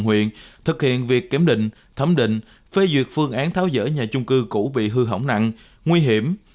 huyện thực hiện việc kiểm định thẩm định phê duyệt phương án tháo dỡ nhà chung cư cũ bị hư hỏng nặng nguy hiểm